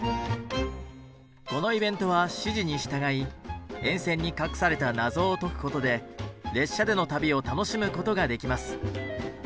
このイベントは指示に従い沿線に隠された謎を解くことで列車での旅を楽しむことができます。